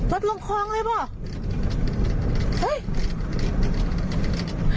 รถลงคลองเลยหรอ